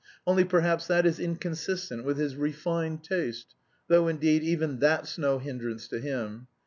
Only perhaps that is inconsistent with his refined taste, though, indeed, even that's no hindrance to him.